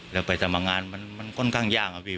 แล้วไปทำงานมันค่อนข้างยากครับพี่